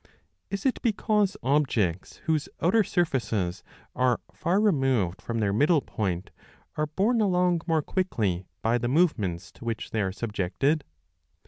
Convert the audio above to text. Is it because objects whose outer surfaces are far removed from their middle point are borne along more quickly by the move ments to which they are subjected